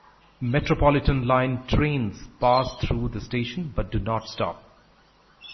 Metropolitan line trains pass through the station, but do not stop.